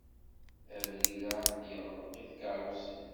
Abrid-a yeɣleq i tkeṛṛusin.